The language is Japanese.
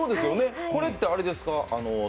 これってあれですか？